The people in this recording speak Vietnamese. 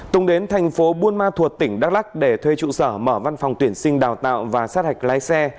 tùng đến thành phố buôn ma thuột tỉnh đắk lắc để thuê trụ sở mở văn phòng tuyển sinh đào tạo và sát hạch lái xe